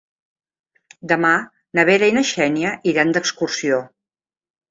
Demà na Vera i na Xènia iran d'excursió.